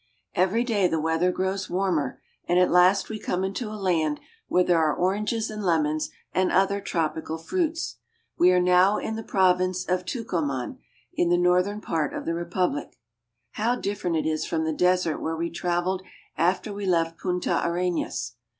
Every day the weather grows warmer, and at last we come into a land where there are oranges and lemons, and other tropical fruits. We are now in the province of Tucuman, in the northern part of the repubhc. How different it is from the desert where we traveled after we left Punta Arenas